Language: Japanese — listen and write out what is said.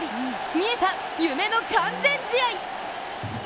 見えた、夢の完全試合。